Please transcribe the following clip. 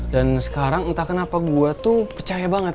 dan sekarang entah kenapa gue tuh percaya banget